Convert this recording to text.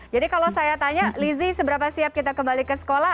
jadi kalau saya tanya lizzy seberapa siap kita kembali ke sekolah